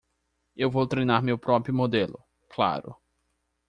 Eu vou treinar meu próprio modelo, claro.